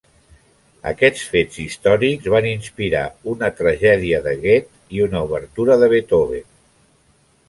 Aquests fets històrics van inspirar una tragèdia de Goethe i una obertura de Beethoven.